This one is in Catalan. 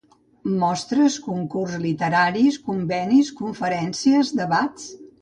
Mostres, concurs literaris, convenis, conferències, debats